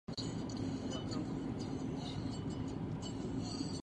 Stezka prochází národním parkem.